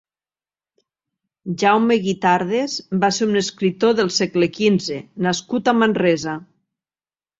Jaume Guitardes va ser un escriptor del segle quinze nascut a Manresa.